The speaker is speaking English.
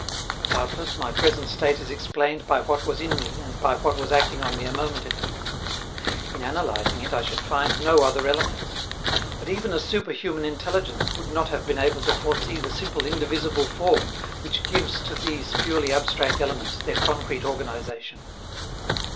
Doubtless, my present state is explained by what was in me and by what was acting on me a moment ago. In analyzing it I should find no other elements. But even a superhuman intelligence would not have been able to foresee the simple indivisible form which gives to these purely abstract elements their concrete organization.